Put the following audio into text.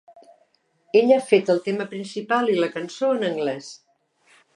Ell ha fet el tema principal i la cançó en anglès.